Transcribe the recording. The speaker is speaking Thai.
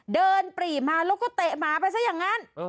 ปรีมาแล้วก็เตะหมาไปซะอย่างนั้น